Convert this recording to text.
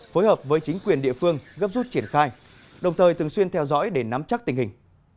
phối hợp với chính quyền địa phương gấp rút triển khai đồng thời thường xuyên theo dõi để nắm chắc tình hình